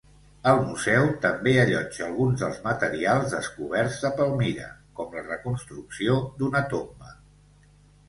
El museu també allotja alguns dels materials descoberts a Palmira, com la reconstrucció d'una tomba.